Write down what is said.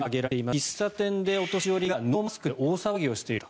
喫茶店でお年寄りがノーマスクで大騒ぎをしていると。